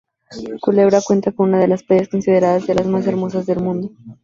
Culebra cuenta con unas de las playas consideradas de las más hermosas del mundo.